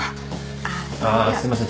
あすいません